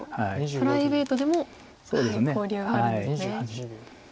プライベートでも交流があるんですね。